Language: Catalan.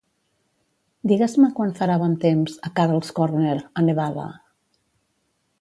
Digues-me quan farà bon temps a Carl's Corner, a Nevada